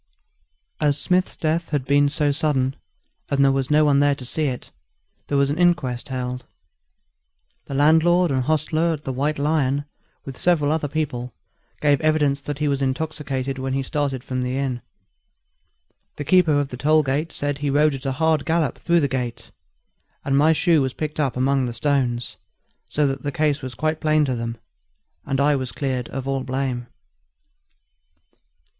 As Smith's death had been so sudden, and no one was there to see it, there was an inquest held. The landlord and hostler at the White Lion, with several other people, gave evidence that he was intoxicated when he started from the inn. The keeper of the toll gate said he rode at a hard gallop through the gate; and my shoe was picked up among the stones, so that the case was quite plain to them, and I was cleared of all blame.